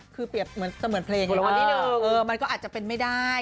คือเปรียบเหมือนเพลงก็อาจจะเป็นไม่ได้